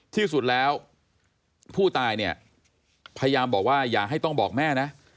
ที่สุดแล้วผู้ตายเนี่ยพยายามบอกว่าอย่าให้ต้องบอกแม่นะ